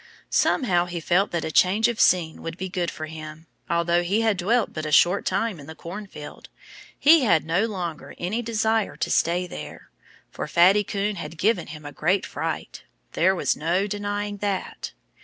Somehow he felt that a change of scene would be good for him. Although he had dwelt but a short time in the cornfield, he had no longer any desire to stay there. For Fatty Coon had given him a great fright. There was no denying that.